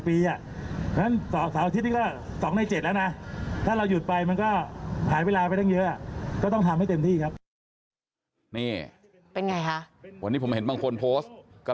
เพราะฉะนั้นเสาร์อาทิตย์นี่ก็๒ใน๗แล้วนะ